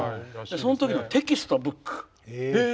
そのときのテキストブック。